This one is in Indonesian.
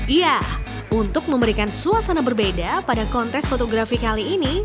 iya untuk memberikan suasana berbeda pada kontes fotografi kali ini